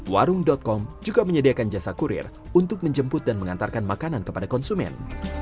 warung com juga menyediakan jasa kurir untuk menjemput dan mengantarkan makanan kepada konsumen